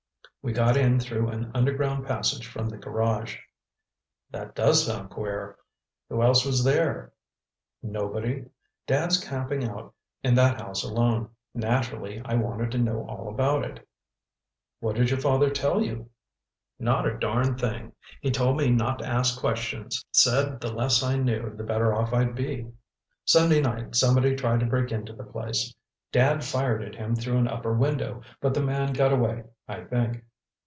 We got in through an underground passage from the garage." "That does sound queer. Who else was there?" "Nobody. Dad's camping out in that house alone. Naturally, I wanted to know all about it." "What did your father tell you?" "Not a darn thing! He told me not to ask questions. Said the less I knew, the better off I'd be. Sunday night somebody tried to break into the place. Dad fired at him through an upper window, but the man got away, I think."